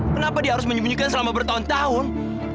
kenapa dia harus menyembunyikan selama bertahun tahun